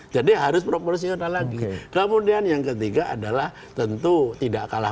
jadi harus proporsional lagi kemudian yang ketiga adalah tentu tidak kalah